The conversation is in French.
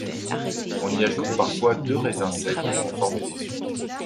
On y ajoute parfois deux raisins secs pour en former les yeux.